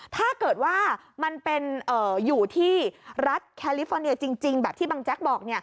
ถ้าเกิดว่ามันเป็นอยู่ที่รัฐแคลิฟอร์เนียจริงแบบที่บางแจ๊กบอก